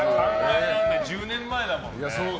１０年前だもんね。